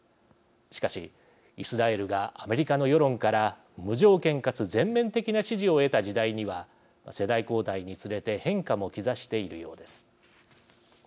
しかし、イスラエルがアメリカの世論から無条件かつ全面的な支持を得た時代には世代交代につれて変化も兆しているようです。